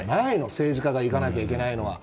政治家がいかなきゃいけないのは。